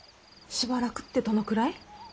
しばらくってどのくらい？